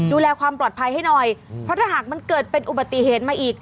ดูแลความปลอดภัยให้หน่อยเพราะถ้าหากมันเกิดเป็นอุบัติเหตุมาอีก